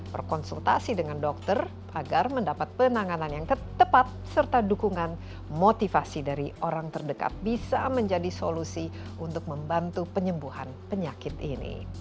berkonsultasi dengan dokter agar mendapat penanganan yang tepat serta dukungan motivasi dari orang terdekat bisa menjadi solusi untuk membantu penyembuhan penyakit ini